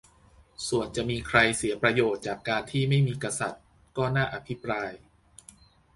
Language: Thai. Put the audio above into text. ส่วนจะมีใครเสียประโยชน์จากการที่ไม่มีกษัตริย์ ก็น่าอภิปราย